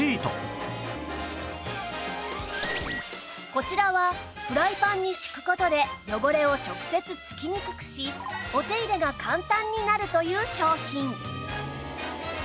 こちらはフライパンに敷く事で汚れを直接つきにくくしお手入れが簡単になるという商品